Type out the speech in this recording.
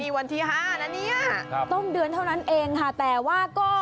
วันที่๕นะเนี่ยต้นเดือนเท่านั้นเองค่ะแต่ว่าก็